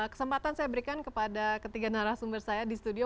kesempatan saya berikan kepada ketiga narasumber saya di studio